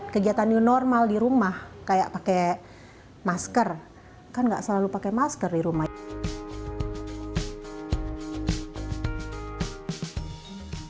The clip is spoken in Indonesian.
kegiatan new normal di rumah kayak pakai masker kan nggak selalu pakai masker di rumahnya